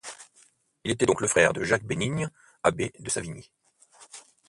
Il était donc le frère de Jacques Bénigne, abbé de Savigny.